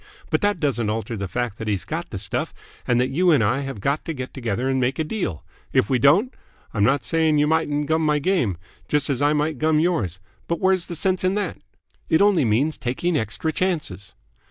But that doesn't alter the fact that he's got the stuff and that you and I have got to get together and make a deal. If we don't, I'm not saying you mightn't gum my game, just as I might gum yours; but where's the sense in that? It only means taking extra chances.